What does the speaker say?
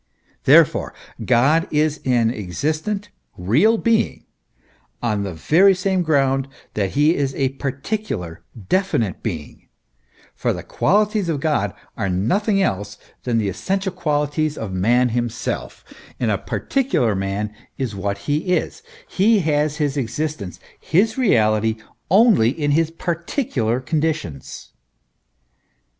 Therefore, God is an existent, real being, on the very same ground that he is a particular, definite being; for the qualities of God are nothing else than the essential qualities of man himself, and a particular man is what he is, has his existence, his reality, only in his particular conditions.